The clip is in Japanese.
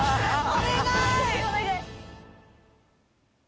お願い。